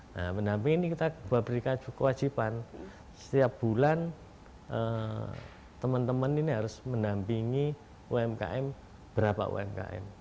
nah pendamping ini kita berikan kewajiban setiap bulan teman teman ini harus mendampingi umkm berapa umkm